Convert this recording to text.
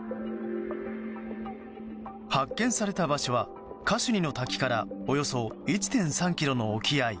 発見された場所はカシュニの滝からおよそ１．３ｋｍの沖合。